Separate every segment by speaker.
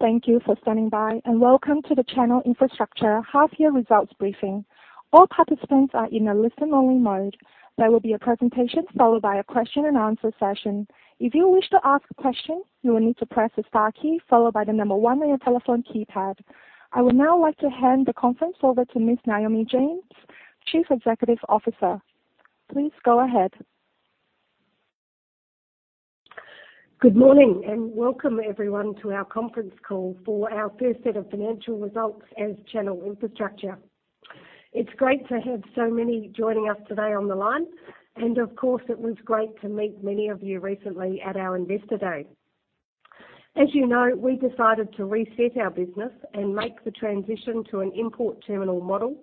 Speaker 1: Thank you for standing by, and welcome to the Channel Infrastructure Half Year Results Briefing. All participants are in a listen-only mode. There will be a presentation followed by a Q&A session. If you wish to ask a question, you will need to press the star key followed by the number one on your telephone keypad. I would now like to hand the conference over to Ms. Naomi James, Chief Executive Officer. Please go ahead.
Speaker 2: Good morning, and welcome everyone to our conference call for our first set of financial results as Channel Infrastructure. It's great to have so many joining us today on the line. Of course, it was great to meet many of you recently at our investor day. As you know, we decided to reset our business and make the transition to an import terminal model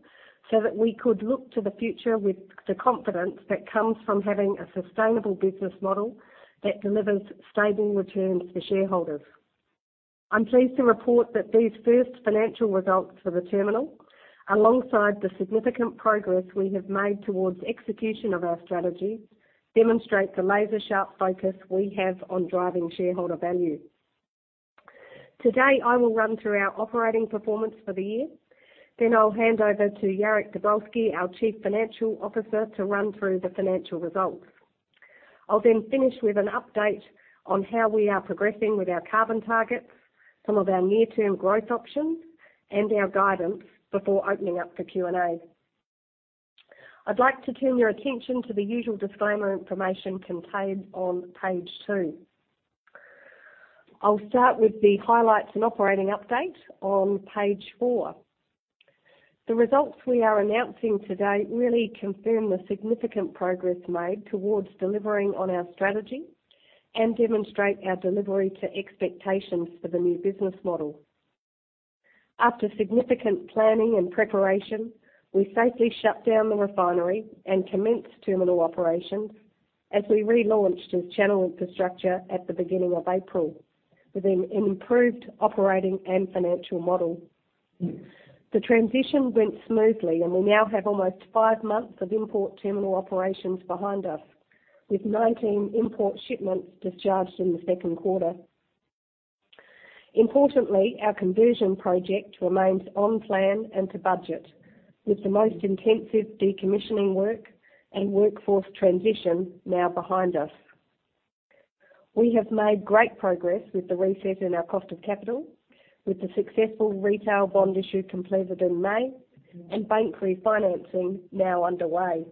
Speaker 2: so that we could look to the future with the confidence that comes from having a sustainable business model that delivers stable returns to shareholders. I'm pleased to report that these first financial results for the terminal, alongside the significant progress we have made towards execution of our strategy, demonstrate the laser-sharp focus we have on driving shareholder value. Today, I will run through our operating performance for the year, then I'll hand over to Jarek Dobrowolski, our Chief Financial Officer, to run through the financial results. I'll then finish with an update on how we are progressing with our carbon targets, some of our near-term growth options, and our guidance before opening up the Q&A. I'd like to turn your attention to the usual disclaimer information contained on page two. I'll start with the highlights and operating update on page four. The results we are announcing today really confirm the significant progress made towards delivering on our strategy and demonstrate our delivery to expectations for the new business model. After significant planning and preparation, we safely shut down the refinery and commenced terminal operations as we relaunched as Channel Infrastructure at the beginning of April with an improved operating and financial model. The transition went smoothly, and we now have almost five months of import terminal operations behind us, with 19 import shipments discharged in the Q2. Importantly, our conversion project remains on plan and to budget, with the most intensive decommissioning work and workforce transition now behind us. We have made great progress with the reset in our cost of capital, with the successful retail bond issue completed in May and bank refinancing now underway.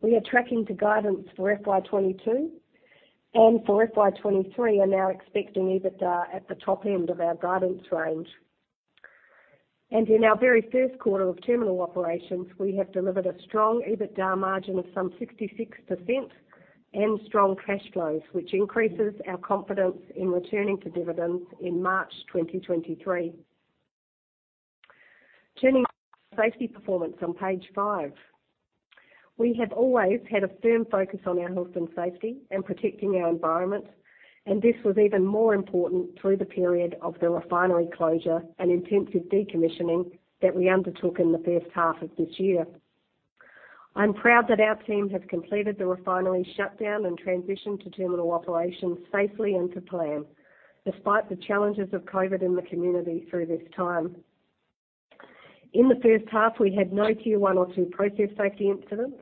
Speaker 2: We are tracking to guidance for FY 2022, and for FY 2023 are now expecting EBITDA at the top end of our guidance range. In our very Q1 of terminal operations, we have delivered a strong EBITDA margin of some 66% and strong cash flows, which increases our confidence in returning to dividends in March 2023. Turning to safety performance on Page five. We have always had a firm focus on our health and safety and protecting our environment, and this was even more important through the period of the refinery closure and intensive decommissioning that we undertook in the H1 of this year. I'm proud that our team have completed the refinery shutdown and transition to terminal operations safely and to plan, despite the challenges of COVID in the community through this time. In the H1, we had no Tier 1 or 2 process safety incidents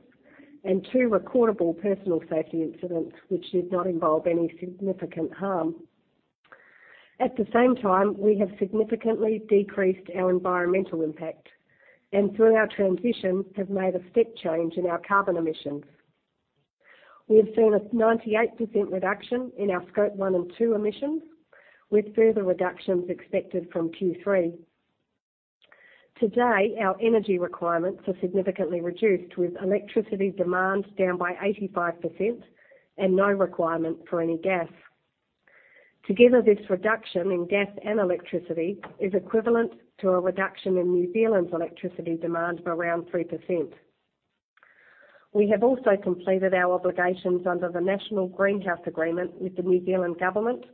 Speaker 2: and two recordable personal safety incidents which did not involve any significant harm. At the same time, we have significantly decreased our environmental impact and through our transition, have made a step change in our carbon emissions. We have seen a 98% reduction in our Scope 1 and 2 emissions, with further reductions expected from Q3. Today, our energy requirements are significantly reduced, with electricity demand down by 85% and no requirement for any gas. Together, this reduction in gas and electricity is equivalent to a reduction in New Zealand's electricity demand of around 3%. We have also completed our obligations under the Negotiated Greenhouse Agreement with the New Zealand Government,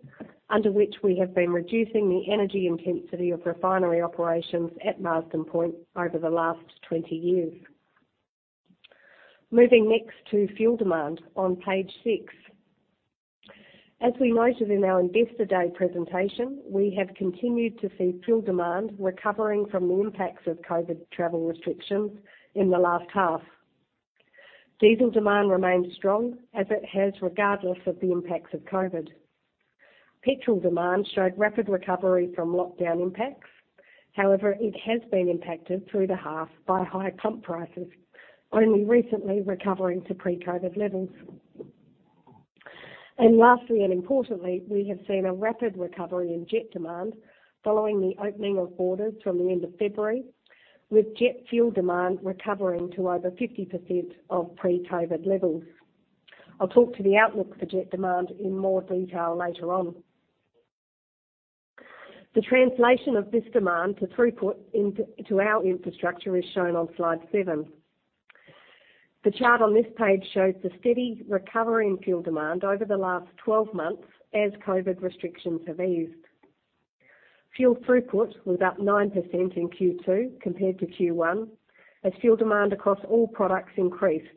Speaker 2: under which we have been reducing the energy intensity of refinery operations at Marsden Point over the last 20 years. Moving next to fuel demand on page six. As we noted in our investor day presentation, we have continued to see fuel demand recovering from the impacts of COVID travel restrictions in the last half. Diesel demand remains strong, as it has regardless of the impacts of COVID. Petrol demand showed rapid recovery from lockdown impacts. However, it has been impacted through the half by high pump prices, only recently recovering to pre-COVID levels. Lastly and importantly, we have seen a rapid recovery in jet demand following the opening of borders from the end of February, with jet fuel demand recovering to over 50% of pre-COVID levels. I'll talk to the outlook for jet demand in more detail later on. The translation of this demand to throughput to our infrastructure is shown on Slide seven. The chart on this page shows the steady recovery in fuel demand over the last 12 months as COVID restrictions have eased. Fuel throughput was up 9% in Q2 compared to Q1 as fuel demand across all products increased.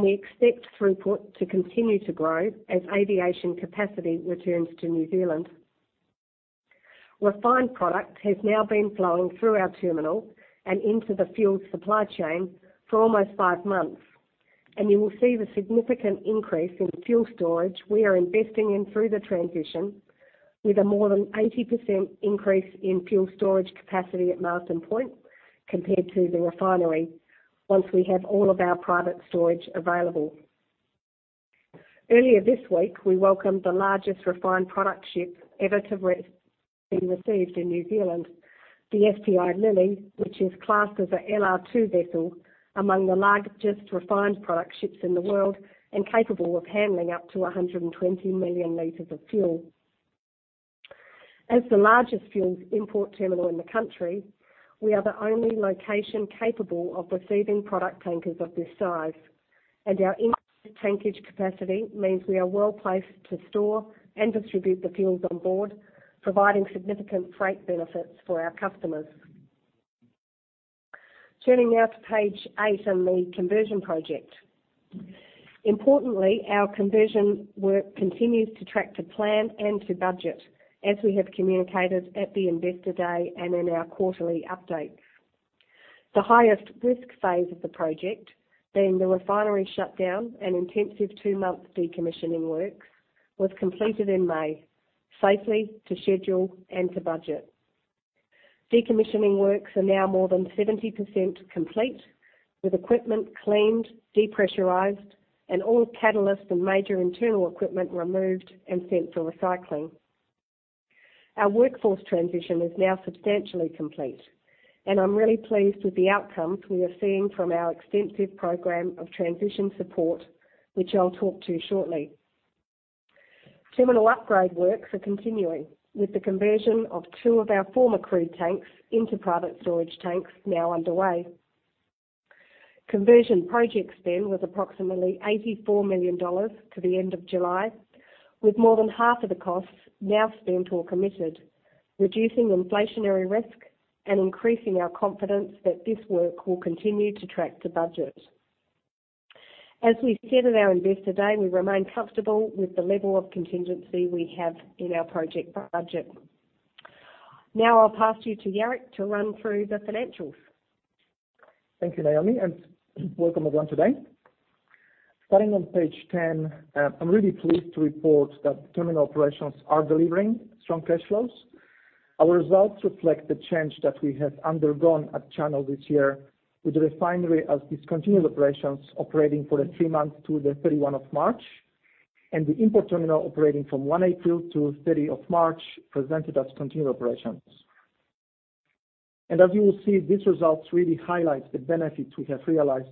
Speaker 2: We expect throughput to continue to grow as aviation capacity returns to New Zealand. Refined product has now been flowing through our terminal and into the fuel supply chain for almost 5 months, and you will see the significant increase in fuel storage we are investing in through the transition with a more than 80% increase in fuel storage capacity at Marsden Point compared to the refinery once we have all of our private storage available. Earlier this week, we welcomed the largest refined product ship ever to be received in New Zealand. The STI Lily, which is classed as an LR2 vessel, among the largest refined product ships in the world, and capable of handling up to 120 million liters of fuel. As the largest fuel import terminal in the country, we are the only location capable of receiving product tankers of this size, and our increased tankage capacity means we are well-placed to store and distribute the fuels on board, providing significant freight benefits for our customers. Turning now to page eight and the conversion project. Importantly, our conversion work continues to track to plan and to budget, as we have communicated at the Investor Day and in our quarterly updates. The highest risk phase of the project, being the refinery shutdown and intensive two month decommissioning work, was completed in May, safely, to schedule and to budget. Decommissioning works are now more than 70% complete, with equipment cleaned, depressurized, and all catalyst and major internal equipment removed and sent for recycling. Our workforce transition is now substantially complete, and I'm really pleased with the outcomes we are seeing from our extensive program of transition support, which I'll talk to shortly. Terminal upgrade works are continuing, with the conversion of two of our former crew tanks into private storage tanks now underway. Conversion project spend was approximately 84 million dollars to the end of July, with more than half of the costs now spent or committed, reducing inflationary risk and increasing our confidence that this work will continue to track to budget. As we said at our Investor Day, we remain comfortable with the level of contingency we have in our project budget. Now I'll pass to you to Jarek to run through the financials.
Speaker 3: Thank you, Naomi, and welcome, everyone, today. Starting on page 10, I'm really pleased to report that terminal operations are delivering strong cash flows. Our results reflect the change that we have undergone at Channel this year with the refinery as discontinued operations operating for the three months to the 31 of March, and the import terminal operating from 1 April to 30 June presented as continued operations. As you will see, these results really highlight the benefits we have realized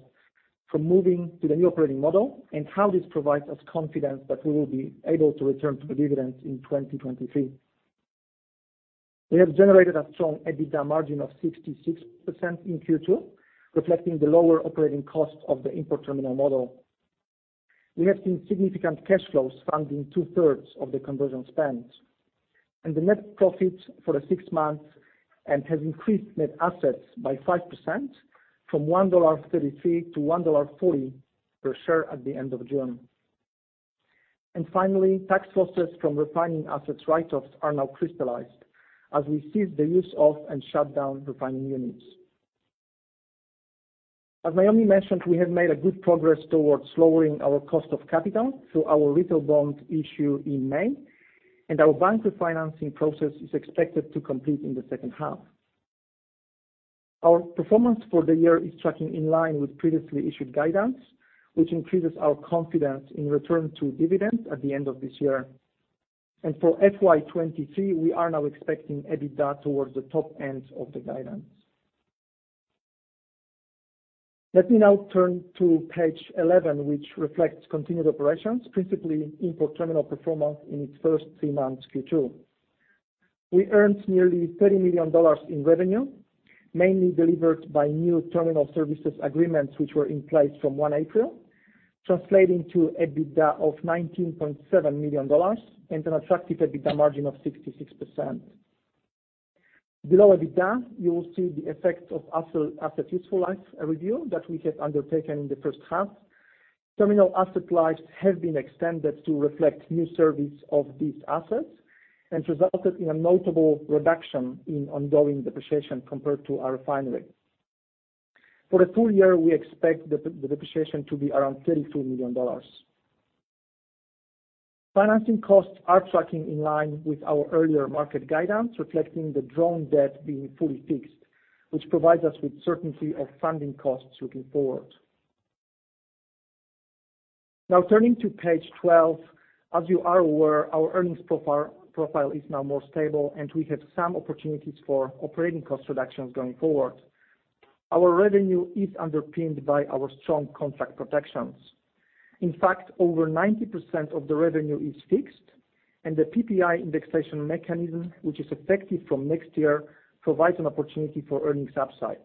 Speaker 3: from moving to the new operating model and how this provides us confidence that we will be able to return to the dividends in 2023. We have generated a strong EBITDA margin of 66% in Q2, reflecting the lower operating costs of the import terminal model. We have seen significant cash flows funding 2/3 of the conversion spend. The net profit for the six months and has increased net assets by 5% from 1.33-1.40 dollar per share at the end of June. Finally, tax losses from refining assets write-offs are now crystallized as we cease the use of and shut down refining units. As Naomi mentioned, we have made a good progress towards lowering our cost of capital through our retail bond issue in May, and our bank refinancing process is expected to complete in the H2. Our performance for the year is tracking in line with previously issued guidance, which increases our confidence in return to dividend at the end of this year. For FY 2023, we are now expecting EBITDA towards the top end of the guidance. Let me now turn to page 11, which reflects continued operations, principally import terminal performance in its first three months, Q2. We earned nearly 30 million dollars in revenue, mainly delivered by new terminal services agreements which were in place from 1 April, translating to EBITDA of 19.7 million dollars and an attractive EBITDA margin of 66%. Below EBITDA, you will see the effect of asset useful life review that we have undertaken in the H1. Terminal asset lives have been extended to reflect new service of these assets and resulted in a notable reduction in ongoing depreciation compared to our refinery. For the full year, we expect the depreciation to be around 32 million dollars. Financing costs are tracking in line with our earlier market guidance, reflecting the drawn debt being fully fixed, which provides us with certainty of funding costs looking forward. Now, turning to page 12. As you are aware, our earnings profile is now more stable, and we have some opportunities for operating cost reductions going forward. Our revenue is underpinned by our strong contract protections. In fact, over 90% of the revenue is fixed, and the PPI indexation mechanism, which is effective from next year, provides an opportunity for earnings upside.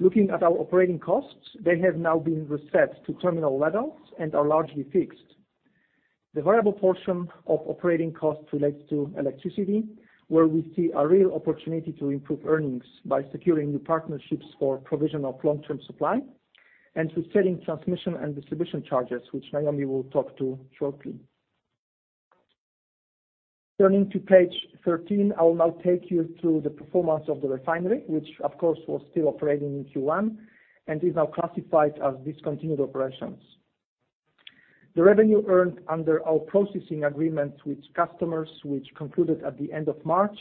Speaker 3: Looking at our operating costs, they have now been reset to terminal levels and are largely fixed. The variable portion of operating costs relates to electricity, where we see a real opportunity to improve earnings by securing new partnerships for provision of long-term supply and to selling transmission and distribution charges, which Naomi will talk to shortly. Turning to page 13, I will now take you through the performance of the refinery, which of course, was still operating in Q1 and is now classified as discontinued operations. The revenue earned under our processing agreements with customers which concluded at the end of March,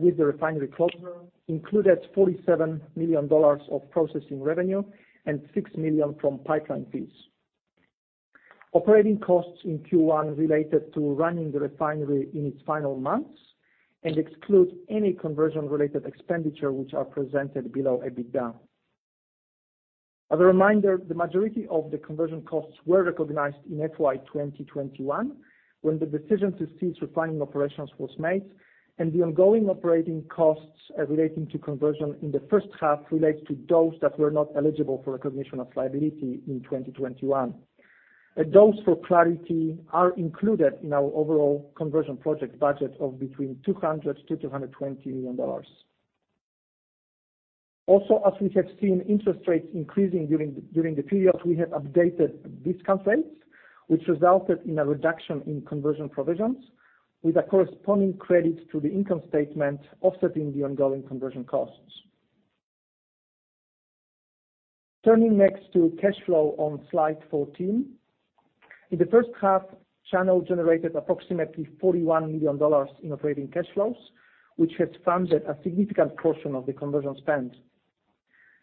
Speaker 3: with the refinery closure, included 47 million dollars of processing revenue and 6 million from pipeline fees. Operating costs in Q1 related to running the refinery in its final months and excludes any conversion-related expenditure which are presented below EBITDA. As a reminder, the majority of the conversion costs were recognized in FY 2021, when the decision to cease refining operations was made, and the ongoing operating costs relating to conversion in the H1 relates to those that were not eligible for recognition of liability in 2021. Those, for clarity, are included in our overall conversion project budget of between 200 million-220 million dollars. Also, as we have seen interest rates increasing during the period, we have updated discount rates, which resulted in a reduction in conversion provisions with a corresponding credit to the income statement offsetting the ongoing conversion costs. Turning next to cash flow on slide 14. In the H1, Channel generated approximately 41 million dollars in operating cash flows, which has funded a significant portion of the conversion spend.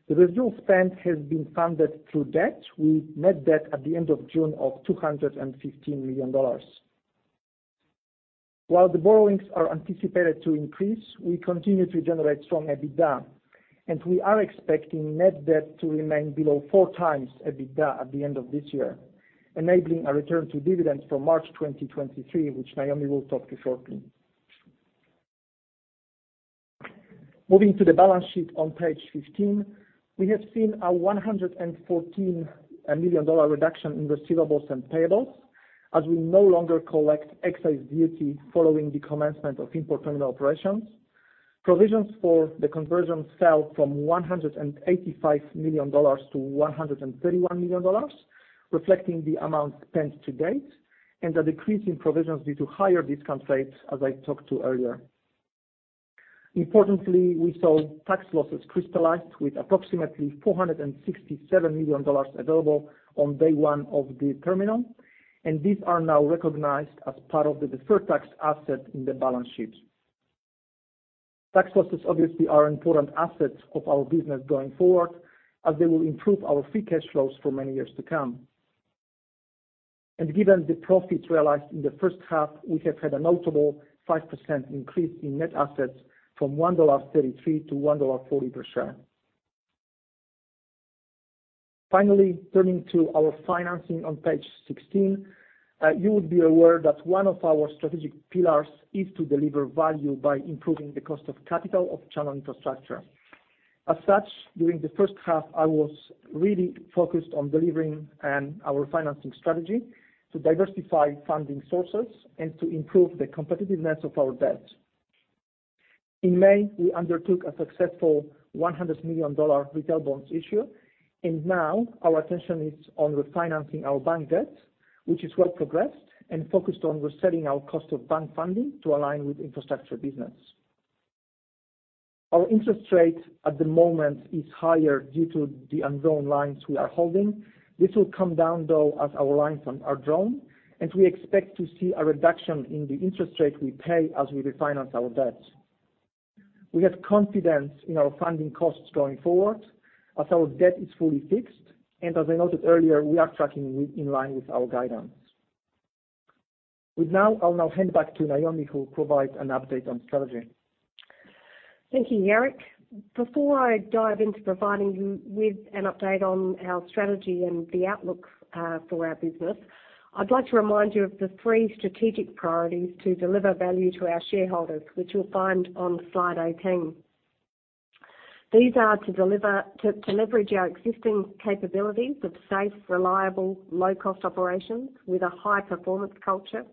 Speaker 3: The residual spend has been funded through debt, with net debt at the end of June of 215 million dollars. While the borrowings are anticipated to increase, we continue to generate strong EBITDA, and we are expecting net debt to remain below 4x EBITDA at the end of this year, enabling a return to dividends from March 2023, which Naomi will talk to shortly. Moving to the balance sheet on page 15. We have seen a 114 million dollar reduction in receivables and payables, as we no longer collect excise duty following the commencement of import terminal operations. Provisions for the conversion fell from 185 million-131 million dollars, reflecting the amount spent to date and a decrease in provisions due to higher discount rates as I talked to earlier. Importantly, we saw tax losses crystallized with approximately 467 million dollars available on day one of the terminal, and these are now recognized as part of the deferred tax asset in the balance sheet. Tax losses obviously are an important asset of our business going forward, as they will improve our free cash flows for many years to come. Given the profits realized in the H1, we have had a notable 5% increase in net assets from 1.33-1.40 dollar per share. Finally, turning to our financing on page 16. You would be aware that one of our strategic pillars is to deliver value by improving the cost of capital of Channel Infrastructure. As such, during the H1, I was really focused on delivering on our financing strategy to diversify funding sources and to improve the competitiveness of our debt. In May, we undertook a successful 100 million dollar retail bonds issue, and now our attention is on refinancing our bank debt, which is well progressed and focused on resetting our cost of bank funding to align with infrastructure business. Our interest rate at the moment is higher due to the undrawn lines we are holding. This will come down, though, as our lines are drawn, and we expect to see a reduction in the interest rate we pay as we refinance our debt. We have confidence in our funding costs going forward as our debt is fully fixed, and as I noted earlier, we are tracking with, in line with our guidance. I'll now hand back to Naomi, who'll provide an update on strategy.
Speaker 2: Thank you, Jarek. Before I dive into providing you with an update on our strategy and the outlook for our business, I'd like to remind you of the three strategic priorities to deliver value to our shareholders, which you'll find on slide 18. These are to leverage our existing capabilities of safe, reliable, low-cost operations with a high-performance culture.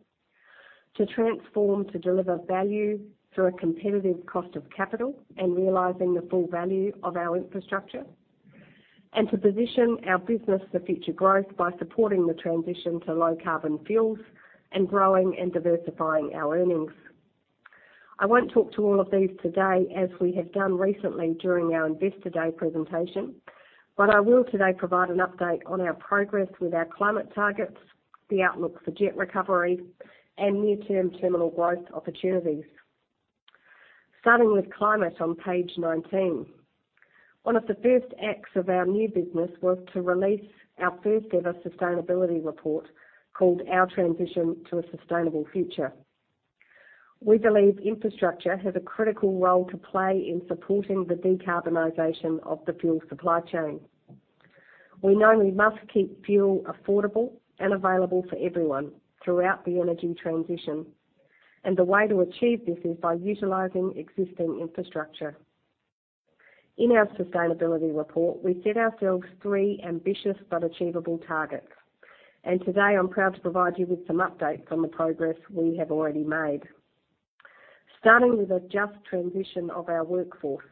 Speaker 2: To transform to deliver value through a competitive cost of capital and realizing the full value of our infrastructure. To position our business for future growth by supporting the transition to low carbon fuels and growing and diversifying our earnings. I won't talk to all of these today as we have done recently during our Investor Day presentation, but I will today provide an update on our progress with our climate targets, the outlook for jet recovery, and near-term terminal growth opportunities. Starting with climate on page 19. One of the first acts of our new business was to release our first-ever sustainability report called Our Transition to a Sustainable Future. We believe infrastructure has a critical role to play in supporting the decarbonization of the fuel supply chain. We know we must keep fuel affordable and available for everyone throughout the energy transition, and the way to achieve this is by utilizing existing infrastructure. In our sustainability report, we set ourselves three ambitious but achievable targets, and today I'm proud to provide you with some updates on the progress we have already made. Starting with a just transition of our workforce.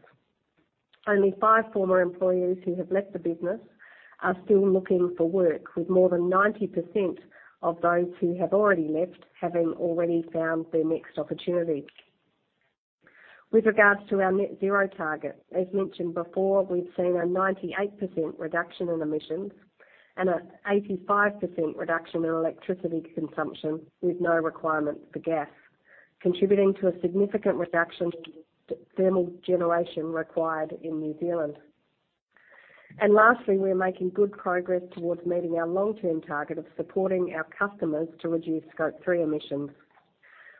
Speaker 2: Only five former employees who have left the business are still looking for work, with more than 90% of those who have already left having already found their next opportunity. With regards to our net zero target, as mentioned before, we've seen a 98% reduction in emissions and an 85% reduction in electricity consumption with no requirement for gas, contributing to a significant reduction to thermal generation required in New Zealand. Lastly, we are making good progress towards meeting our long-term target of supporting our customers to reduce Scope 3 emissions.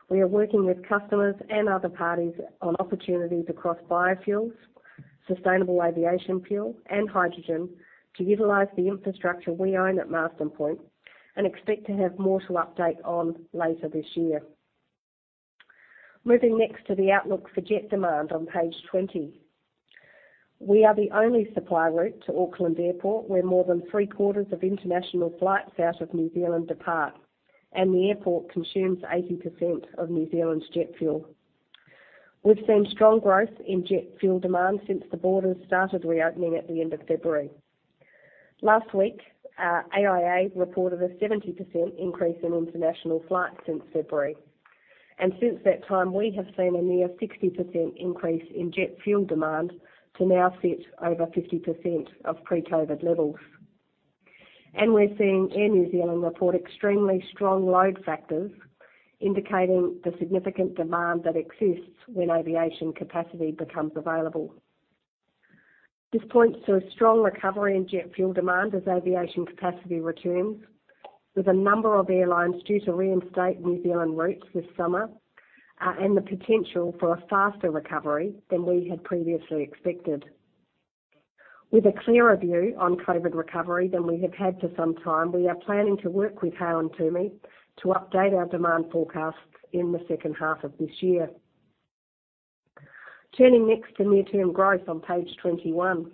Speaker 2: We are working with customers and other parties on opportunities across biofuels, sustainable aviation fuel, and hydrogen to utilize the infrastructure we own at Marsden Point and expect to have more to update on later this year. Moving next to the outlook for jet demand on page 20. We are the only supply route to Auckland Airport, where more than three-quarters of international flights out of New Zealand depart, and the airport consumes 80% of New Zealand's jet fuel. We've seen strong growth in jet fuel demand since the borders started reopening at the end of February. Last week, AIA reported a 70% increase in international flights since February. Since that time, we have seen a near 60% increase in jet fuel demand to now sit over 50% of pre-COVID levels. We're seeing Air New Zealand report extremely strong load factors, indicating the significant demand that exists when aviation capacity becomes available. This points to a strong recovery in jet fuel demand as aviation capacity returns, with a number of airlines due to reinstate New Zealand routes this summer, and the potential for a faster recovery than we had previously expected. With a clearer view on COVID recovery than we have had for some time, we are planning to work with Hale & Twomey to update our demand forecasts in the H2 of this year. Turning next to near-term growth on page 21.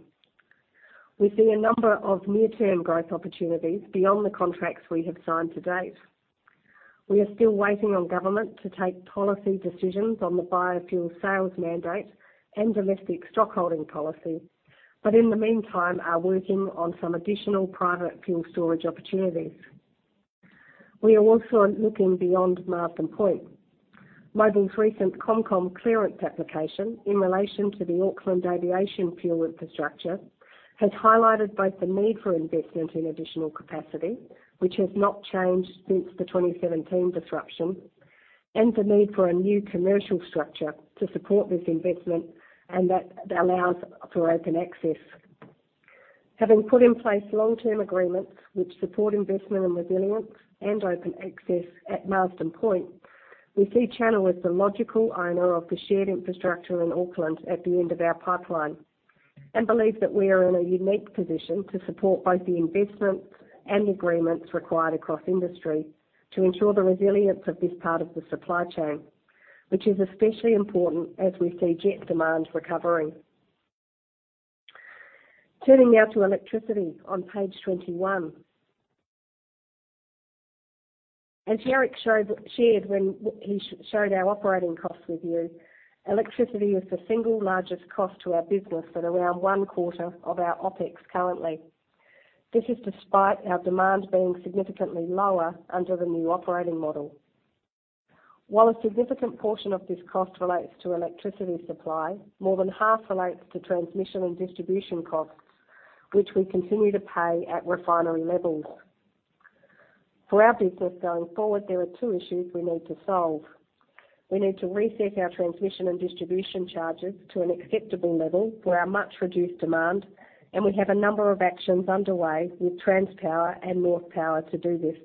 Speaker 2: We see a number of near-term growth opportunities beyond the contracts we have signed to date. We are still waiting on government to take policy decisions on the biofuel sales mandate and domestic stock holding policy, but in the meantime, are working on some additional private fuel storage opportunities. We are also looking beyond Marsden Point. Mobil's recent ComCom clearance application in relation to the Auckland aviation fuel infrastructure has highlighted both the need for investment in additional capacity, which has not changed since the 2017 disruption, and the need for a new commercial structure to support this investment and that allows for open access. Having put in place long-term agreements which support investment and resilience and open access at Marsden Point, we see Channel as the logical owner of the shared infrastructure in Auckland at the end of our pipeline, and believe that we are in a unique position to support both the investments and agreements required across industry to ensure the resilience of this part of the supply chain, which is especially important as we see jet demand recovering. Turning now to electricity on page 21. As Jarek shared when he showed our operating costs with you, electricity is the single largest cost to our business at around one-quarter of our OpEx currently. This is despite our demand being significantly lower under the new operating model. While a significant portion of this cost relates to electricity supply, more than half relates to transmission and distribution costs, which we continue to pay at refinery levels. For our business going forward, there are two issues we need to solve. We need to reset our transmission and distribution charges to an acceptable level for our much reduced demand, and we have a number of actions underway with Transpower and Northpower to do this.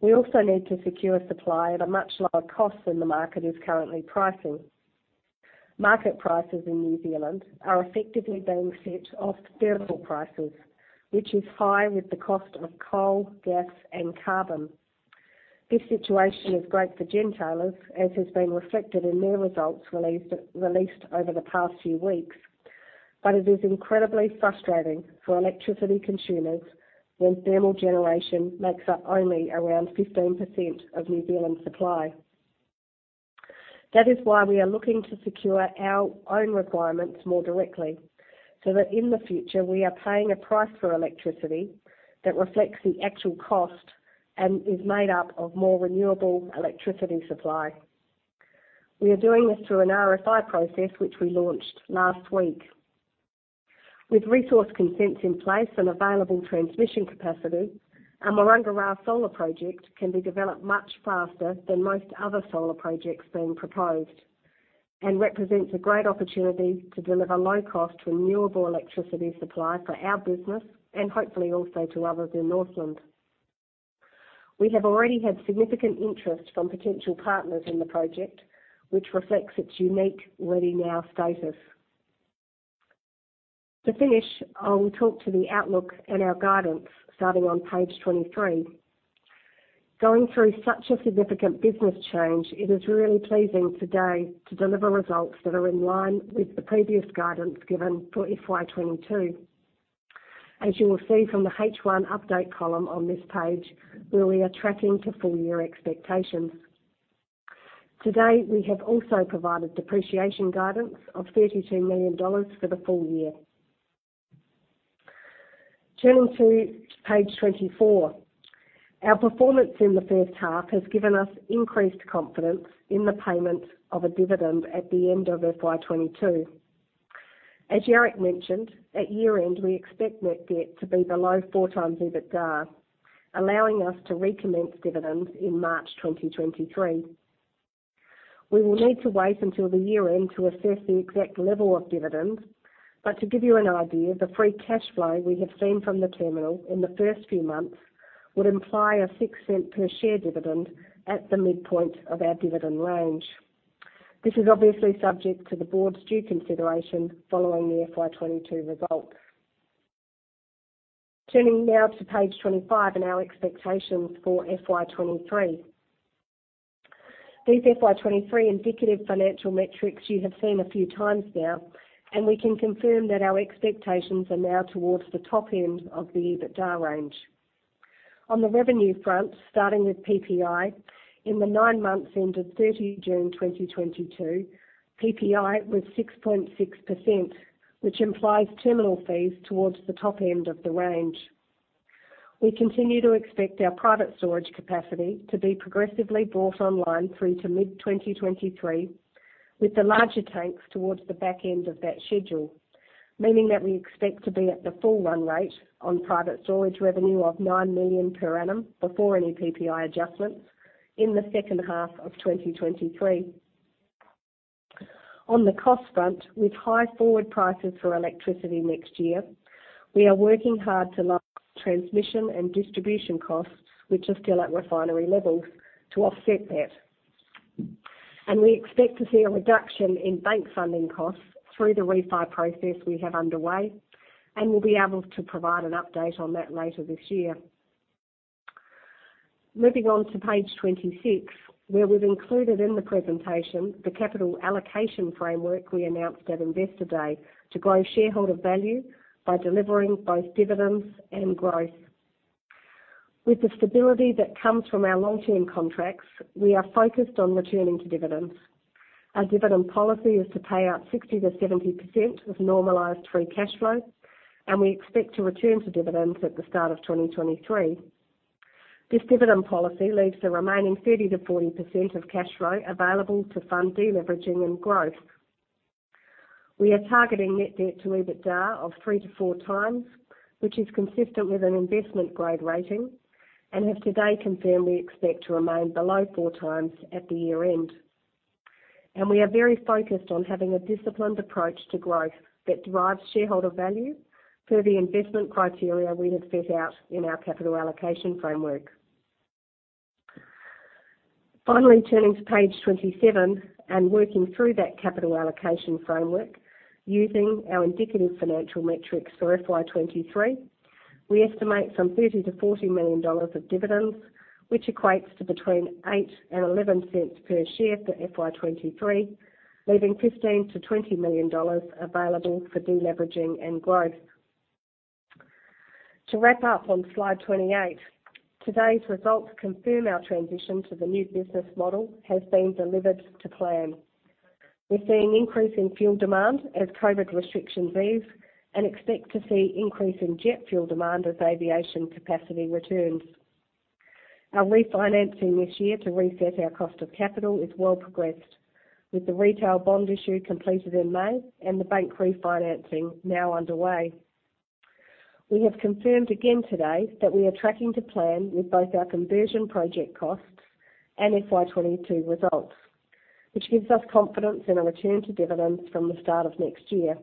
Speaker 2: We also need to secure supply at a much lower cost than the market is currently pricing. Market prices in New Zealand are effectively being set off thermal prices, which is high with the cost of coal, gas, and carbon. This situation is great for gentailers, as has been reflected in their results released over the past few weeks. It is incredibly frustrating for electricity consumers when thermal generation makes up only around 15% of New Zealand supply. That is why we are looking to secure our own requirements more directly, so that in the future, we are paying a price for electricity that reflects the actual cost and is made up of more renewable electricity supply. We are doing this through an RFI process, which we launched last week. With resource consents in place and available transmission capacity, our Maranga Ra solar project can be developed much faster than most other solar projects being proposed and represents a great opportunity to deliver low-cost renewable electricity supply for our business and hopefully also to others in Northland. We have already had significant interest from potential partners in the project, which reflects its unique ready-now status. To finish, I will talk to the outlook and our guidance starting on page 23. Going through such a significant business change, it is really pleasing today to deliver results that are in line with the previous guidance given for FY22. As you will see from the H1 update column on this page, where we are tracking to full year expectations. Today, we have also provided depreciation guidance of 32 million dollars for the full year. Turning to page 24. Our performance in the H1 has given us increased confidence in the payment of a dividend at the end of FY22. As Jarek mentioned, at year-end, we expect net debt to be below 4x EBITDA, allowing us to recommence dividends in March 2023. We will need to wait until the year-end to assess the exact level of dividends. To give you an idea, the free cash flow we have seen from the terminal in the first few months would imply a 0.06 per share dividend at the midpoint of our dividend range. This is obviously subject to the board's due consideration following the FY 2022 results. Turning now to page 25 and our expectations for FY 2023. These FY 2023 indicative financial metrics you have seen a few times now, and we can confirm that our expectations are now towards the top end of the EBITDA range. On the revenue front, starting with PPI, in the nine months ended 30 June 2022, PPI was 6.6%, which implies terminal fees towards the top end of the range. We continue to expect our private storage capacity to be progressively brought online through to mid-2023, with the larger tanks towards the back end of that schedule. Meaning that we expect to be at the full run rate on private storage revenue of 9 million per annum before any PPI adjustments in the H2 of 2023. On the cost front, with high forward prices for electricity next year, we are working hard to lower transmission and distribution costs, which are still at refinery levels to offset that. We expect to see a reduction in bank funding costs through the refi process we have underway, and we'll be able to provide an update on that later this year. Moving on to page 26, where we've included in the presentation the capital allocation framework we announced at Investor Day to grow shareholder value by delivering both dividends and growth. With the stability that comes from our long-term contracts, we are focused on returning to dividends. Our dividend policy is to pay out 60%-70% of normalized free cash flow, and we expect to return to dividends at the start of 2023. This dividend policy leaves the remaining 30%-40% of cash flow available to fund deleveraging and growth. We are targeting net debt to EBITDA of 3x-4x, which is consistent with an investment-grade rating, and have today confirmed we expect to remain below 4x at the year-end. We are very focused on having a disciplined approach to growth that derives shareholder value per the investment criteria we have set out in our capital allocation framework. Finally, turning to page 27 and working through that capital allocation framework using our indicative financial metrics for FY 2023, we estimate some 30-40 million dollars of dividends, which equates to between 0.08 and 0.11 per share for FY 2023, leaving 15-20 million dollars available for deleveraging and growth. To wrap up on slide 28, today's results confirm our transition to the new business model has been delivered to plan. We're seeing increase in fuel demand as COVID restrictions ease and expect to see increase in jet fuel demand as aviation capacity returns. Our refinancing this year to reset our cost of capital is well progressed with the retail bond issue completed in May and the bank refinancing now underway. We have confirmed again today that we are tracking to plan with both our conversion project costs and FY22 results, which gives us confidence in a return to dividends from the start of next year.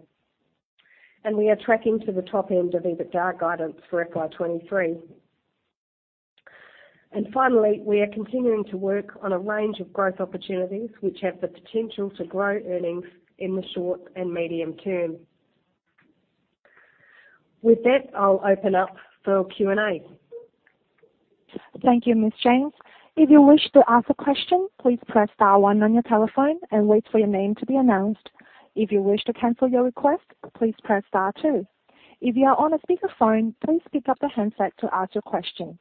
Speaker 2: We are tracking to the top end of EBITDA guidance for FY23. Finally, we are continuing to work on a range of growth opportunities, which have the potential to grow earnings in the short and medium term. With that, I'll open up for Q&A.
Speaker 1: Thank you, Ms. James. If you wish to ask a question, please press star one on your telephone and wait for your name to be announced. If you wish to cancel your request, please press star two. If you are on a speakerphone, please pick up the handset to ask your question.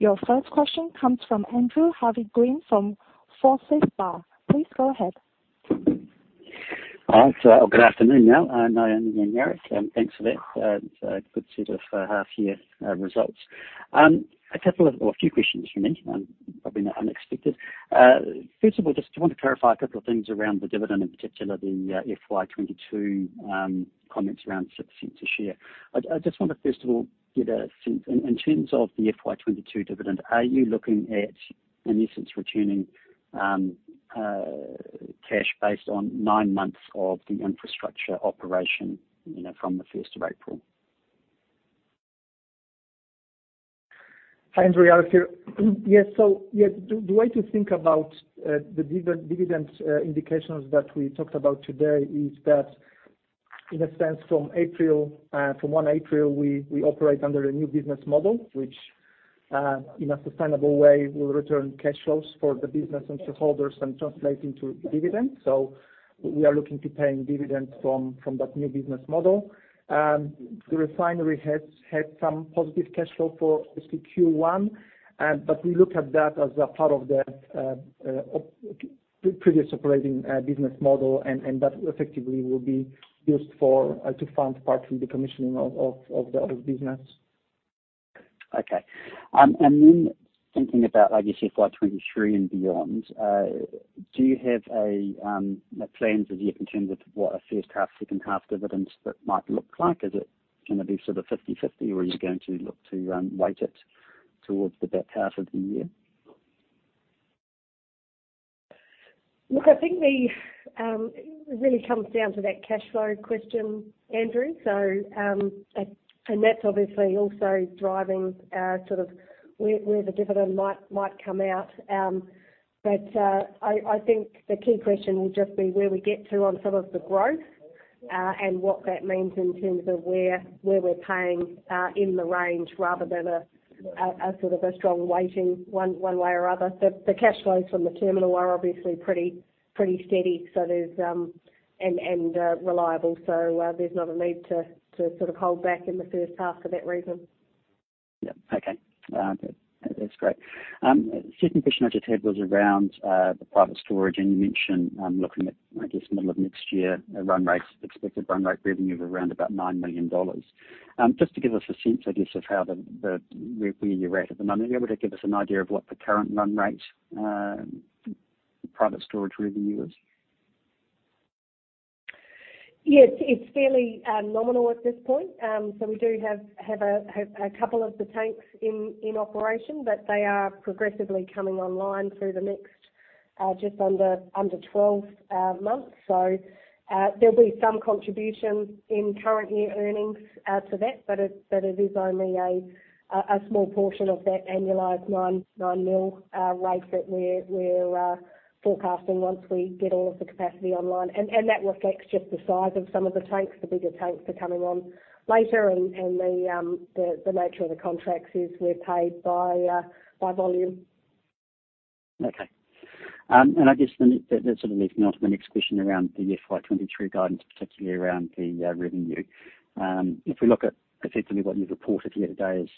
Speaker 1: Your first question comes from Andrew Harvey-Green from Forsyth Barr. Please go ahead.
Speaker 4: All right. Good afternoon, Naomi and Jarek, and thanks for that good set of half year results. A few questions from me, probably not unexpected. First of all, just, do you want to clarify a couple of things around the dividend, in particular the FY22 comments around 0.06 a share? I just want to, first of all, get a sense in terms of the FY22 dividend, are you looking at and is it returning cash based on nine months of the infrastructure operation, you know, from the first of April?
Speaker 5: Hi, Andrew. Alex here. Yes. Yes, the way to think about the dividend indications that we talked about today is that in a sense from April, from 1 April, we operate under a new business model, which in a sustainable way will return cash flows for the business and shareholders and translate into dividends. We are looking to paying dividends from that new business model. The refinery has had some positive cash flow for obviously Q1. But we look at that as a part of the previous operating business model, and that effectively will be used to fund partly the commissioning of the other business.
Speaker 4: Okay. Thinking about, I guess, FY 2023 and beyond, do you have a plans as yet in terms of what a H1, H2 dividends that might look like? Is it gonna be sort of 50/50, or are you going to look to weight it towards the back half of the year?
Speaker 2: Look, I think it really comes down to that cash flow question, Andrew. That's obviously also driving sort of where the dividend might come out. I think the key question will just be where we get to on some of the growth and what that means in terms of where we're paying in the range rather than a sort of strong weighting one way or other. The cash flows from the terminal are obviously pretty steady and reliable. There's not a need to sort of hold back in the H1 for that reason.
Speaker 4: Yeah. Okay. That's great. Second question I just had was around the private storage. You mentioned looking at, I guess, middle of next year, a run rate, expected run rate revenue of around about 9 million dollars. Just to give us a sense, I guess, of where you're at at the moment, are you able to give us an idea of what the current run rate private storage revenue is?
Speaker 2: Yes. It's fairly nominal at this point. We do have a couple of the tanks in operation, but they are progressively coming online through the next just under 12 months. There'll be some contribution in current year earnings to that, but it is only a small portion of that annualized 9 million rate that we're forecasting once we get all of the capacity online. The nature of the contracts is we're paid by volume.
Speaker 4: Okay. I guess then that sort of leads me on to the next question around the FY23 guidance, particularly around the revenue. If we look at effectively what you've reported here today is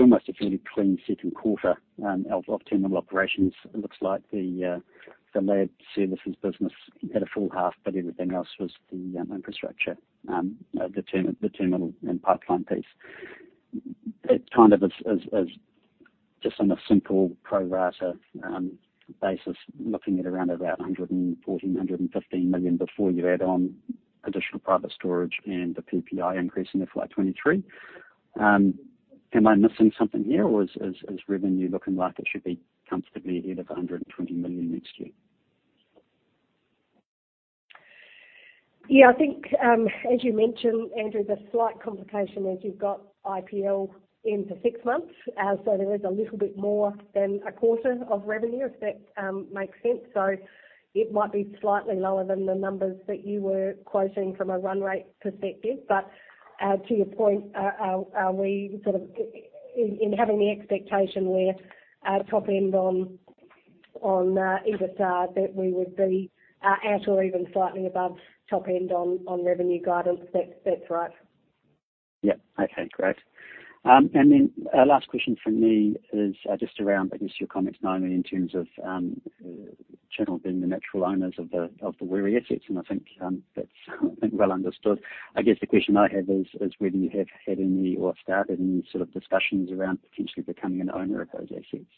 Speaker 4: almost a fairly clean Q2 of terminal operations. It looks like the lab services business had a full half, but everything else was the infrastructure, the terminal and pipeline piece. It kind of is just on a simple pro rata basis, looking at around 114-115 million before you add on additional private storage and the PPI increase in FY23. Am I missing something here, or is revenue looking like it should be comfortably ahead of 120 million next year?
Speaker 2: Yeah, I think as you mentioned, Andrew, the slight complication is you've got IPL in for six months. There is a little bit more than a quarter of revenue, if that makes sense. It might be slightly lower than the numbers that you were quoting from a run rate perspective. To your point, are we sort of in having the expectation we're top end on EBITDA, that we would be at or even slightly above top end on revenue guidance. That's right.
Speaker 4: Yeah. Okay, great. A last question from me is, just around, I guess, your comments normally in terms of, Channel being the natural owners of the Wiri assets, and I think, that's well understood. I guess the question I have is, whether you have had any or started any sort of discussions around potentially becoming an owner of those assets?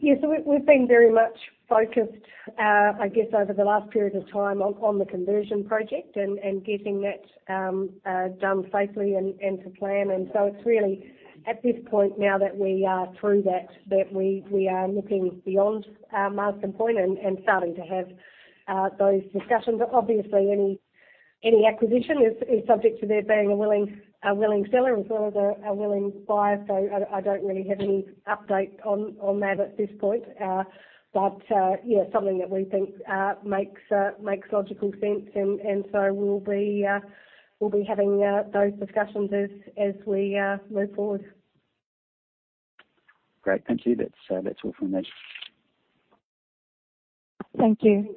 Speaker 2: Yeah. So we've been very much focused, I guess, over the last period of time on the conversion project and getting that done safely and to plan. It's really at this point now that we are through that we are looking beyond our milestone point and starting to have those discussions. Obviously, any acquisition is subject to there being a willing seller as well as a willing buyer. I don't really have any update on that at this point. Yeah, something that we think makes logical sense. We'll be having those discussions as we move forward.
Speaker 4: Great. Thank you. That's all from me.
Speaker 1: Thank you.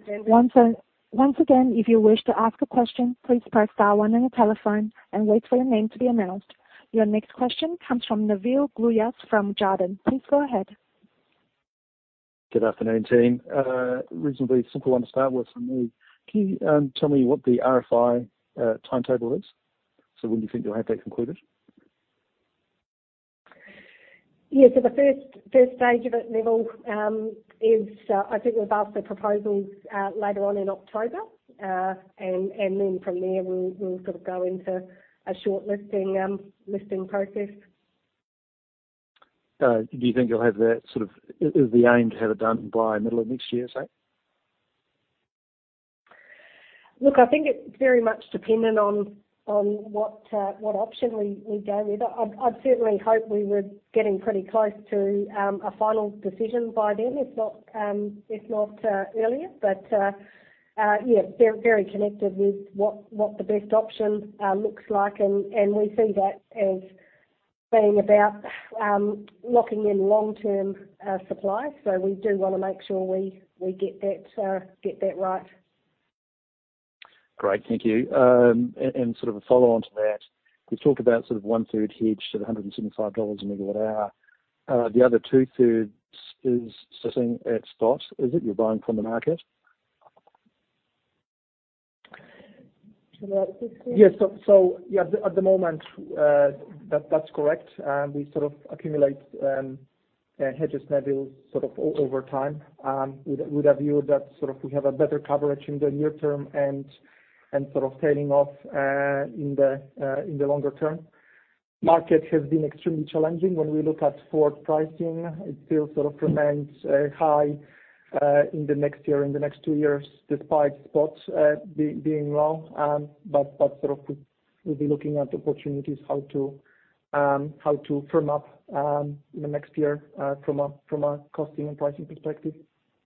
Speaker 1: Once again, if you wish to ask a question, please press star one on your telephone and wait for your name to be announced. Your next question comes from Nevill Gluyas from Jarden. Please go ahead.
Speaker 6: Good afternoon, team. Reasonably simple one to start with from me. Can you tell me what the RFI timetable is? When do you think you'll have that concluded?
Speaker 2: Yeah. The first stage of it, Nevill, is, I think we've asked for proposals later on in October. Then from there, we'll sort of go into a shortlisting listing process.
Speaker 6: Is the aim to have it done by middle of next year, say?
Speaker 2: Look, I think it's very much dependent on what option we go with. I'd certainly hope we were getting pretty close to a final decision by then, if not earlier. Very connected with what the best option looks like. We see that as being about locking in long-term supply. We do wanna make sure we get that right.
Speaker 6: Great. Thank you. Sort of a follow-on to that, you talked about sort of one-third hedged at 175 dollars a megawatt-hour. The other 2/3 is sitting at spots. Is it you're buying from the market?
Speaker 2: Can I ask [Debrowolski]?
Speaker 3: Yes. At the moment, that's correct. We sort of accumulate hedges, Nevill, sort of over time, with a view that sort of we have a better coverage in the near term and sort of tailing off in the longer term. Market has been extremely challenging. When we look at forward pricing, it still sort of remains high in the next year, in the next two years, despite spots being low. We'll be looking at opportunities how to firm up the next year from a costing and pricing perspective.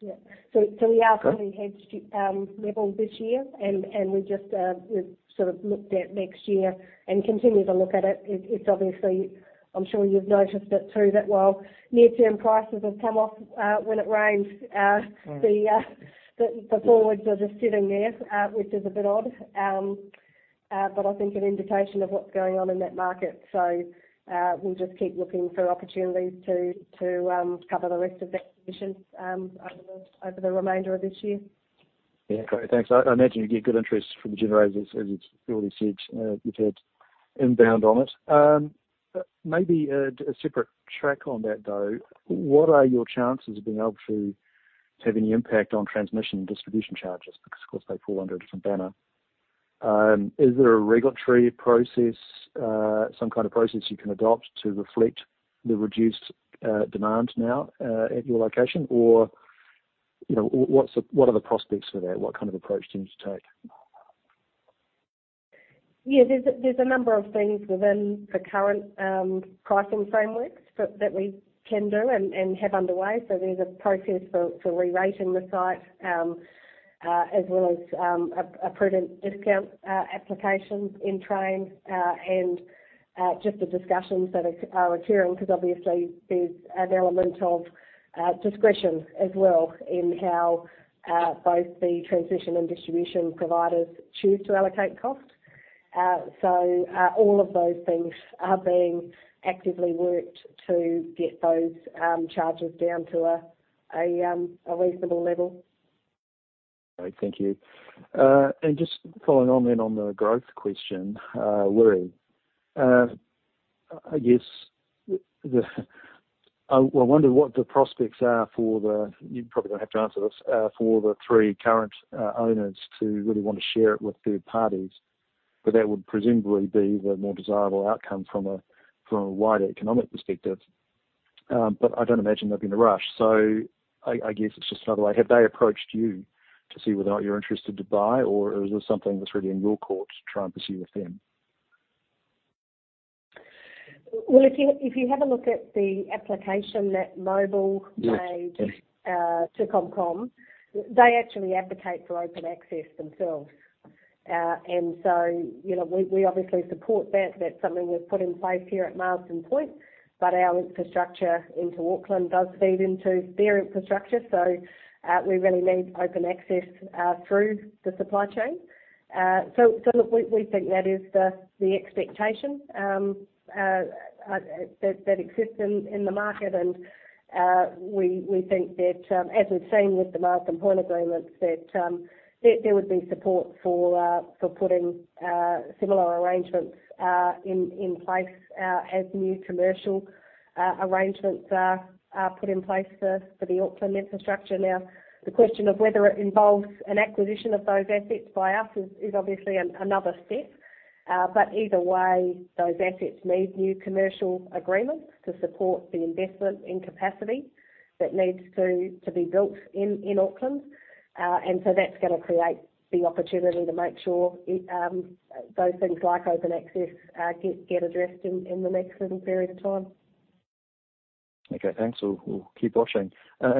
Speaker 2: Yeah. We are
Speaker 6: Okay.
Speaker 2: Fully hedged to Nevill this year. We've sort of looked at next year and continue to look at it. It's obviously, I'm sure you've noticed it too, that while near-term prices have come off, when it rains.
Speaker 6: Right.
Speaker 2: The forwards are just sitting there, which is a bit odd. I think an indication of what's going on in that market. We'll just keep looking for opportunities to cover the rest of that position over the remainder of this year.
Speaker 6: Yeah. Great. Thanks. I imagine you get good interest from the generators, as you've already said, you've had inbound on it. Maybe a separate track on that, though. What are your chances of being able to have any impact on transmission and distribution charges? Because, of course, they fall under a different banner. Is there a regulatory process, some kind of process you can adopt to reflect the reduced demand now at your location? Or, you know, what are the prospects for that? What kind of approach do you need to take?
Speaker 2: Yeah. There's a number of things within the current pricing frameworks that we can do and have underway. There's a process for re-rating the site as well as a prudent discount application in train and just the discussions that are occurring, because obviously there's an element of discretion as well in how both the transmission and distribution providers choose to allocate cost. All of those things are being actively worked to get those charges down to a reasonable level.
Speaker 6: Great. Thank you. Just following on then on the growth question, Wiri, I wonder what the prospects are for the, you're probably gonna have to answer this, for the three current owners to really want to share it with third parties, but that would presumably be the more desirable outcome from a wider economic perspective. I don't imagine they'll be in a rush. I guess it's just another way. Have they approached you to see whether or not you're interested to buy, or is this something that's really in your court to try and pursue with them?
Speaker 2: Well, if you have a look at the application that Mobil
Speaker 6: Yes. Yes.
Speaker 2: Made to ComCom, they actually advocate for open access themselves. You know, we obviously support that. That's something we've put in place here at Marsden Point, but our infrastructure into Auckland does feed into their infrastructure, so we really need open access through the supply chain. So look, we think that is the expectation that exists in the market. We think that, as we've seen with the Marsden Point agreements, there would be support for putting similar arrangements in place as new commercial arrangements are put in place for the Auckland infrastructure. Now, the question of whether it involves an acquisition of those assets by us is obviously another step. Either way, those assets need new commercial agreements to support the investment in capacity that needs to be built in Auckland. That's gonna create the opportunity to make sure it, those things like open access, get addressed in the next little period of time.
Speaker 6: Okay, thanks. We'll keep watching.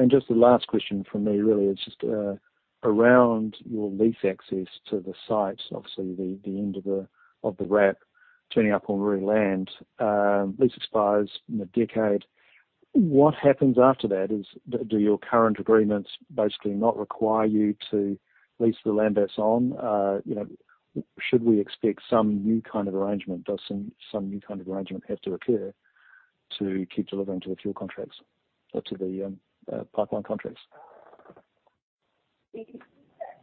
Speaker 6: Just the last question from me really is just around your lease access to the site. Obviously the end of the ramp turning up on Wiri land lease expires in a decade. What happens after that? Do your current agreements basically not require you to lease the land that's on? You know, should we expect some new kind of arrangement? Does some new kind of arrangement have to occur to keep delivering to the fuel contracts or to the pipeline contracts?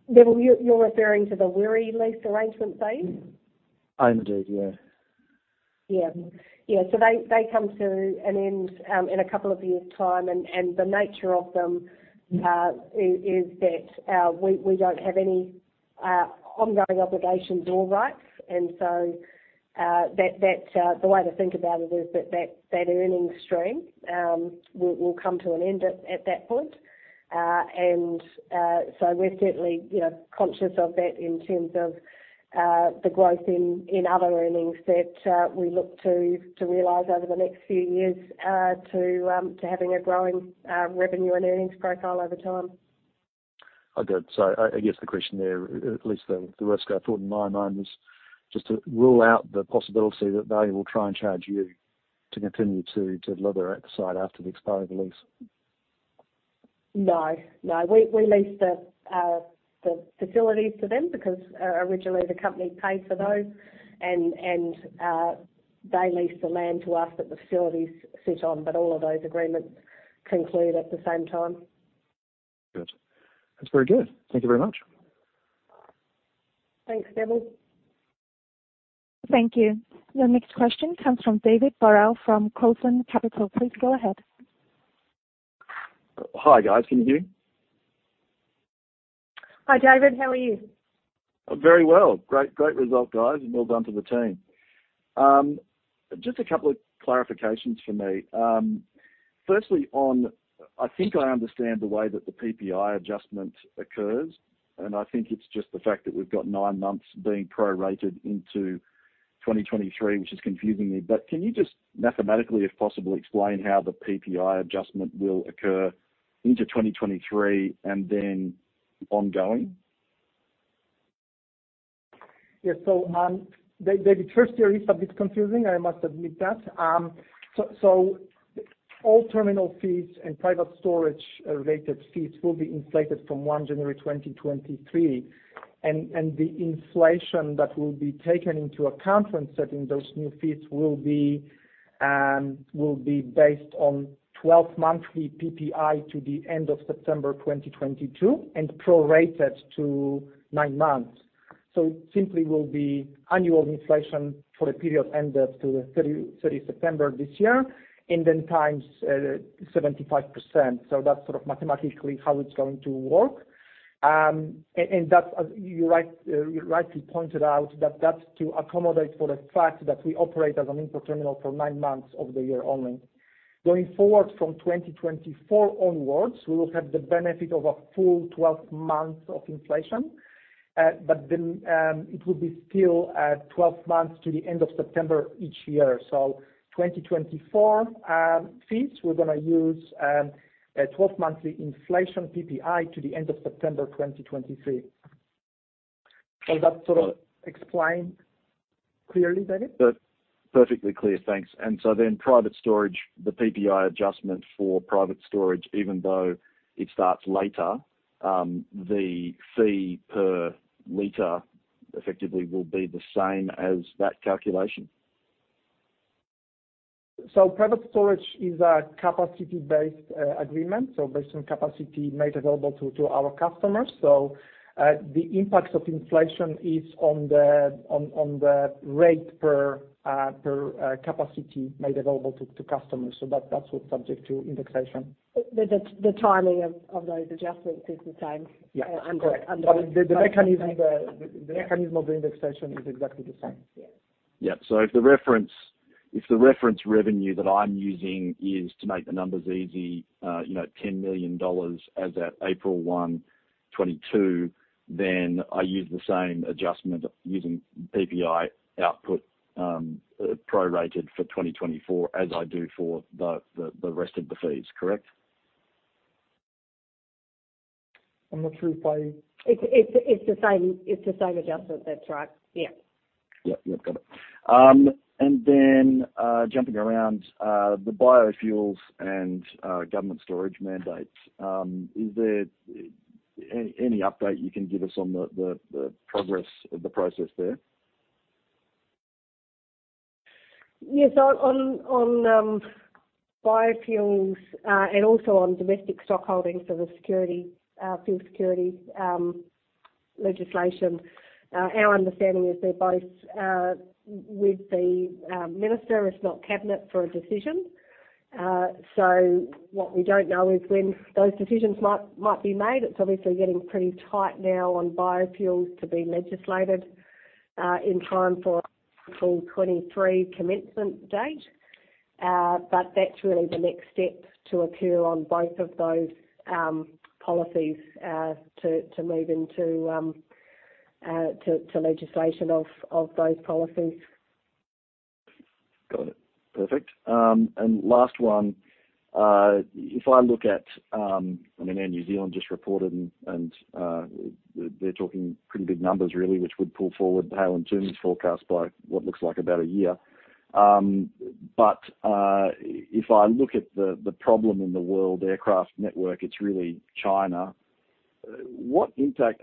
Speaker 2: Nevill, you're referring to the Wiri lease arrangement phase?
Speaker 6: I am indeed, yeah.
Speaker 2: Yeah. They come to an end in a couple of years' time. The nature of them is that we don't have any ongoing obligations, all right. That's the way to think about it is that the earnings stream will come to an end at that point. We're certainly, you know, conscious of that in terms of the growth in other earnings that we look to realize over the next few years to having a growing revenue and earnings profile over time.
Speaker 6: Oh, good. I guess the question there, at least the risk I thought in my mind was just to rule out the possibility that they will try and charge you to continue to deliver at the site after the expiry of the lease.
Speaker 2: No, no. We lease the facilities to them because originally the company paid for those and they lease the land to us that the facilities sit on, but all of those agreements conclude at the same time.
Speaker 6: Good. That's very good. Thank you very much.
Speaker 2: Thanks, Nevill.
Speaker 1: Thank you. Your next question comes from David Borell from Coldham Capital. Please go ahead.
Speaker 7: Hi, guys. Can you hear me?
Speaker 2: Hi, David. How are you?
Speaker 7: Very well. Great result, guys, and well done to the team. Just a couple of clarifications for me. I think I understand the way that the PPI adjustment occurs, and I think it's just the fact that we've got nine months being prorated into 2023, which is confusing me. Can you just mathematically, if possible, explain how the PPI adjustment will occur into 2023 and then ongoing?
Speaker 3: Yes. David, first year is a bit confusing, I must admit that. All terminal fees and private storage-related fees will be inflated from 1 January 2023. The inflation that will be taken into account when setting those new fees will be based on 12-monthly PPI to the end of September 2022 and prorated to nine months. It simply will be annual inflation for the period ended 30 September this year and then times 75%. That's sort of mathematically how it's going to work. That's, you right, you rightly pointed out that that's to accommodate for the fact that we operate as an import terminal for nine months of the year only. Going forward from 2024 onwards, we will have the benefit of a full 12 months of inflation. It will be still 12 months to the end of September each year. 2024 fees, we're gonna use a 12-monthly inflation PPI to the end of September 2023. Does that sort of explain clearly, David?
Speaker 7: That's perfectly clear. Thanks. Private storage, the PPI adjustment for private storage, even though it starts later, the fee per liter effectively will be the same as that calculation?
Speaker 3: Private storage is a capacity-based agreement, so based on capacity made available to our customers. The impact of inflation is on the rate per capacity made available to customers. That's what's subject to indexation.
Speaker 2: The timing of those adjustments is the same.
Speaker 3: Yeah.
Speaker 2: Under-
Speaker 3: Correct. The mechanism of the indexation is exactly the same.
Speaker 2: Yes.
Speaker 7: Yeah, if the reference revenue that I'm using is to make the numbers easy, you know, 10 million dollars as at April 1, 2022, then I use the same adjustment using PPI output, prorated for 2024 as I do for the rest of the fees, correct?
Speaker 3: I'm not sure if I.
Speaker 2: It's the same adjustment. That's right. Yeah.
Speaker 7: Yeah. Yeah. Got it. Jumping around, the biofuels and government storage mandates, is there any update you can give us on the progress of the process there?
Speaker 2: On biofuels, and also on domestic stock holdings for the security, fuel security legislation, our understanding is they're both with the minister if not cabinet for a decision. What we don't know is when those decisions might be made. It's obviously getting pretty tight now on biofuels to be legislated in time for a full 2023 commencement date. That's really the next step to occur on both of those policies to move into legislation of those policies.
Speaker 7: Got it. Perfect. Last one. If I look at, I know Air New Zealand just reported and, they're talking pretty big numbers really, which would pull forward the Hale & Twomey forecast by what looks like about a year. If I look at the problem in the world aircraft network, it's really China. What impact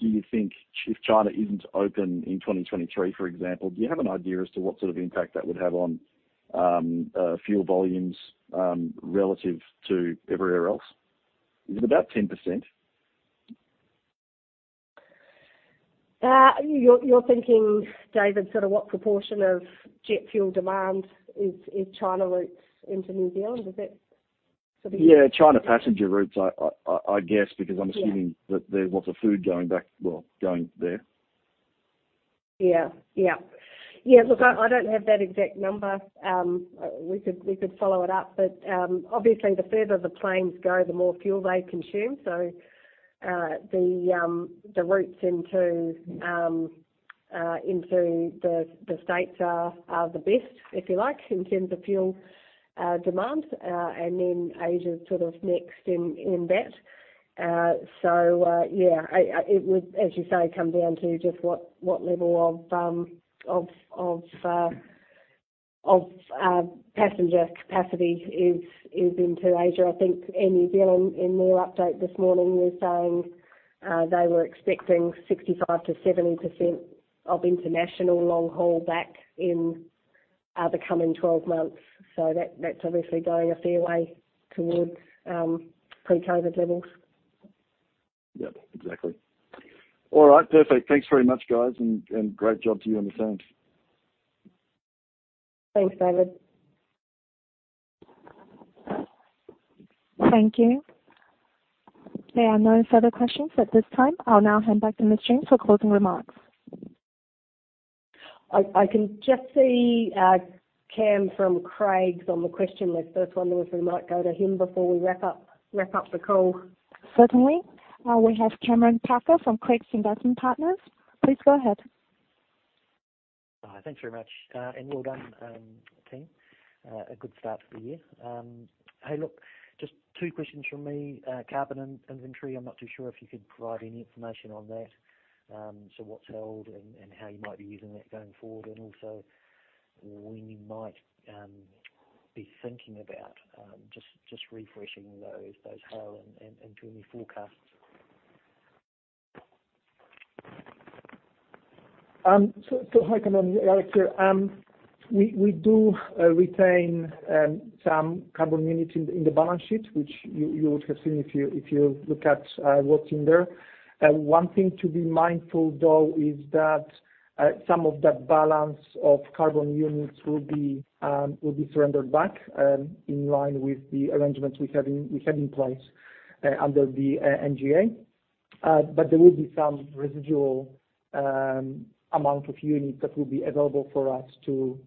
Speaker 7: do you think if China isn't open in 2023, for example, do you have an idea as to what sort of impact that would have on fuel volumes relative to everywhere else? Is it about 10%?
Speaker 2: You're thinking, David, sort of what proportion of jet fuel demand is China routes into New Zealand. Is that sort of-
Speaker 7: Yeah, China passenger routes, I guess, because I'm assuming-
Speaker 2: Yeah.
Speaker 7: that there's lots of food going back. Well, going there.
Speaker 2: Yeah, look, I don't have that exact number. We could follow it up. Obviously the further the planes go, the more fuel they consume. The routes into the States are the best, if you like, in terms of fuel demand, and then Asia sort of next in that. It would, as you say, come down to just what level of passenger capacity is into Asia. I think Air New Zealand in their update this morning were saying they were expecting 65%-70% of international long haul back in the coming twelve months. That's obviously going a fair way toward pre-COVID levels.
Speaker 7: Yep, exactly. All right, perfect. Thanks very much, guys. Great job to you and the team.
Speaker 2: Thanks, David.
Speaker 1: Thank you. There are no further questions at this time. I'll now hand back to Naomi James for closing remarks.
Speaker 2: I can just see Cam from Craigs on the question list. Just wondering if we might go to him before we wrap up the call.
Speaker 1: Certainly. We have Cameron Parker from Craigs Investment Partners. Please go ahead.
Speaker 8: Thanks very much. Well done, team. A good start to the year. Hey, look, just two questions from me. Carbon inventory, I'm not too sure if you could provide any information on that. What's held and how you might be using that going forward. Also, when you might be thinking about just refreshing those Hale & Twomey forecasts.
Speaker 3: Hi, Cameron. Jarek here. We do retain some carbon units in the balance sheet, which you would have seen if you look at what's in there. One thing to be mindful though is that some of that balance of carbon units will be surrendered back in line with the arrangements we have in place under the NGA. There will be some residual amount of units that will be available for us to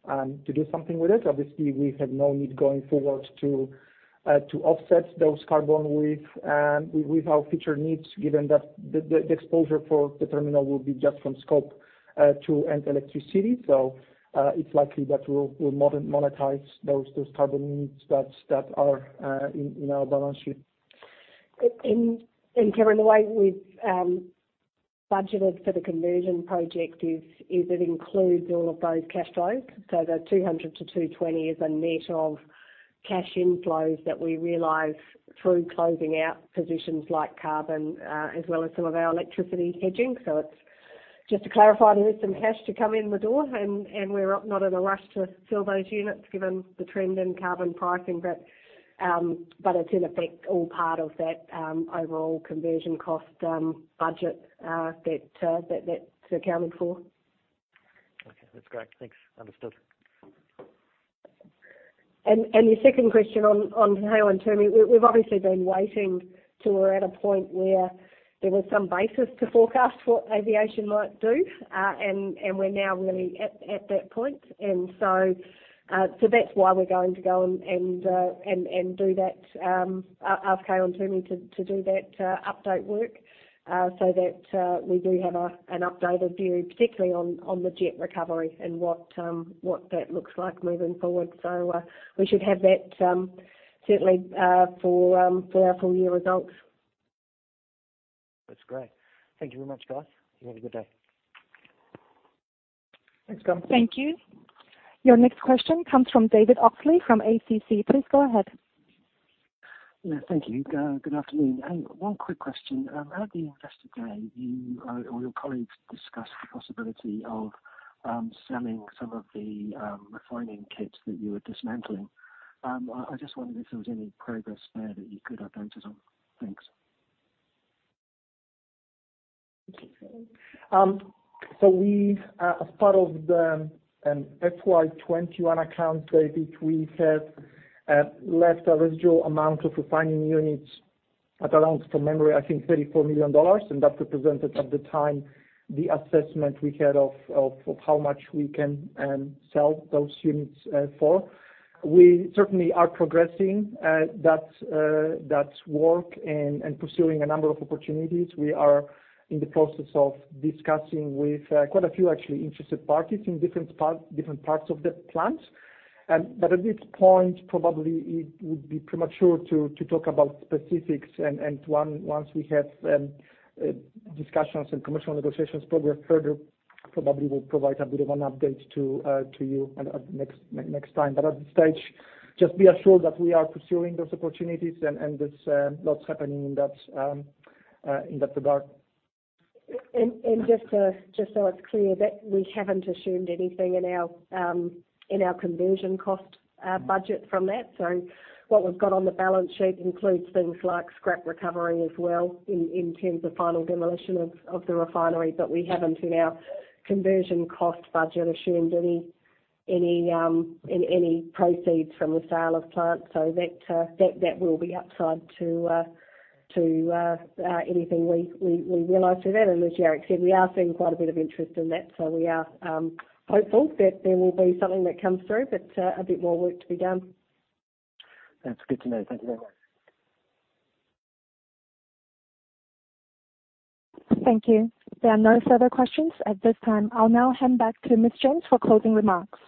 Speaker 3: do something with it. Obviously, we have no need going forward to offset those carbon with our future needs, given that the exposure for the terminal will be just from Scope 2 and electricity. It's likely that we'll monetize those carbon units that are in our balance sheet.
Speaker 2: Cameron, the way we've budgeted for the conversion project is it includes all of those cash flows. The 200-220 is a net of cash inflows that we realize through closing out positions like carbon, as well as some of our electricity hedging. It's just to clarify, there is some cash to come in the door and we're not in a rush to sell those units, given the trend in carbon pricing. It's in effect all part of that overall conversion cost budget that that's accounted for.
Speaker 8: Okay, that's great. Thanks. Understood.
Speaker 2: Your second question on Hale & Twomey. We've obviously been waiting till we're at a point where there was some basis to forecast what aviation might do. We're now really at that point. That's why we're going to ask Hale & Twomey to do that update work, so that we do have an updated view, particularly on the jet recovery and what that looks like moving forward. We should have that certainly for our full year results.
Speaker 8: That's great. Thank you very much, guys. You have a good day.
Speaker 3: Thanks, Cam.
Speaker 1: Thank you. Your next question comes from David Oxley from ACC. Please go ahead.
Speaker 9: Yeah, thank you. Good afternoon. Hang on, one quick question. At the investor day, you or your colleagues discussed the possibility of selling some of the refining kits that you were dismantling. I just wondered if there was any progress there that you could update us on. Thanks.
Speaker 2: Okay.
Speaker 3: As part of the FY 2021 accounts, David, we had left a residual amount of refining units at around, from memory, I think 34 million dollars, and that represented at the time the assessment we had of how much we can sell those units for. We certainly are progressing that work and pursuing a number of opportunities. We are in the process of discussing with quite a few actually interested parties in different parts of the plant. At this point, probably it would be premature to talk about specifics. Once we have discussions and commercial negotiations progress further, probably we'll provide a bit of an update to you at next time. At this stage, just be assured that we are pursuing those opportunities and there's lots happening in that regard.
Speaker 2: Just so it's clear that we haven't assumed anything in our conversion cost budget from that. What we've got on the balance sheet includes things like scrap recovery as well in terms of final demolition of the refinery. We haven't in our conversion cost budget assumed any proceeds from the sale of plant. That will be upside to anything we realize through that. As Jarek said, we are seeing quite a bit of interest in that. We are hopeful that there will be something that comes through, but a bit more work to be done.
Speaker 9: That's good to know. Thank you very much.
Speaker 1: Thank you. There are no further questions at this time. I'll now hand back to Naomi James for closing remarks.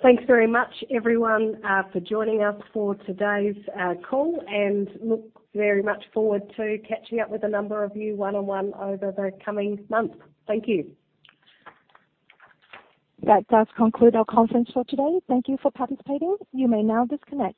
Speaker 2: Thanks very much everyone for joining us for today's call and look very much forward to catching up with a number of you one-on-one over the coming months. Thank you.
Speaker 1: That does conclude our conference for today. Thank you for participating. You may now disconnect.